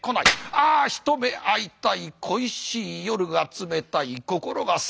ああ一目会いたい恋しい夜が冷たい心が寒い。